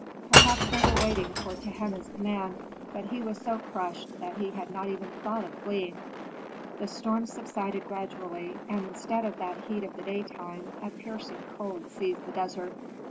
Perhaps they were waiting for Tehenna's command, but he was so crushed that he had not even thought of fleeing. The storm subsided gradually, and instead of that heat of the daytime a piercing cold seized the desert.